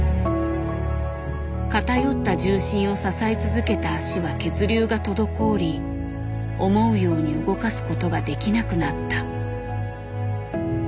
偏った重心を支え続けた足は血流が滞り思うように動かすことができなくなった。